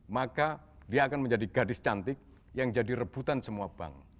maka dia akan menjadi gadis cantik yang jadi rebutan semua bank